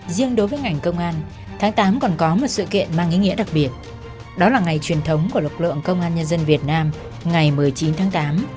riêng đối với ngành công an tháng tám còn có một sự kiện mang ý nghĩa đặc biệt đó là ngày truyền thống của lực lượng công an nhân dân việt nam ngày một mươi chín tháng tám